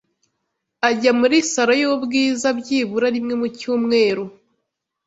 Ajya muri salon y'ubwiza byibura rimwe mu cyumweru.